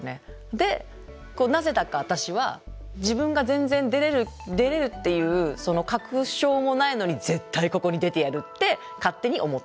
でなぜだか私は自分が全然出れるっていう確証もないのに絶対ここに出てやるって勝手に思ってた。